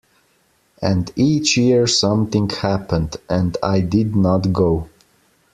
And each year something happened, and I did not go.